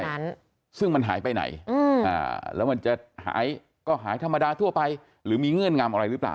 นั้นซึ่งมันหายไปไหนอืมอ่าแล้วมันจะหายก็หายธรรมดาทั่วไปหรือมีเงื่อนงำอะไรหรือเปล่า